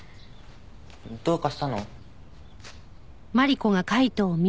どうかしたの？